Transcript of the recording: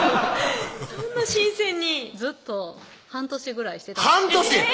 そんな新鮮にずっと半年ぐらいしてた半年！